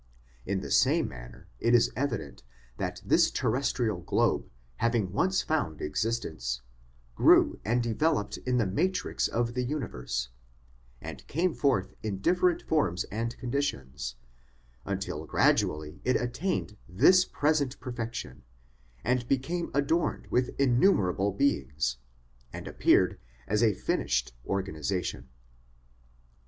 In the same manner it is evident that this terrestrial globe having once found existence, grew and developed in the matrix of the universe, and came forth in different forms and con ditions, until gradually it attained this present perfec tion, and became adorned with innumerable beings, and appeared as a finished organisation.